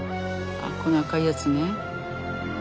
この赤いやつね。